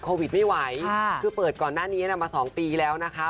โควิดไม่ไหวคือเปิดก่อนหน้านี้มา๒ปีแล้วนะคะ